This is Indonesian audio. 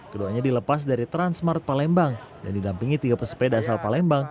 keduanya dilepas dari transmart palembang dan didampingi tiga pesepeda asal palembang